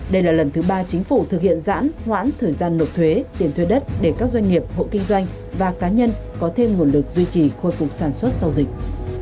đây là lần thứ ba chính phủ thực hiện giãn hoãn thời gian nộp thuế tiền thuê đất để các doanh nghiệp hộ kinh doanh và cá nhân có thêm nguồn lực duy trì khôi phục sản xuất sau dịch